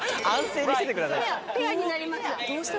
ペアペアになりました。